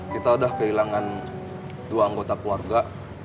kita sudah kehilangan dua anggota keluarga